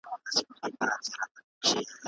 هغه کولای سي مړ ږدن ډنډ ته نږدې وګڼي.